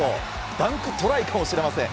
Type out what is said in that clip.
ダンクトライかもしれません。